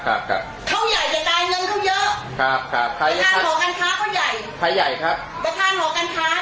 เพราะว่าหรือฉันรอมาสี่ปีแล้วครับครับครับแต่อันนั้นเขา